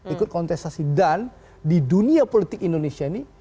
ikut kontestasi dan di dunia politik indonesia ini